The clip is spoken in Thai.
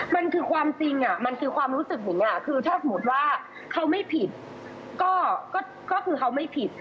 มันคือความจริงมันคือความรู้สึกหิงคือถ้าสมมุติว่าเขาไม่ผิดก็คือเขาไม่ผิด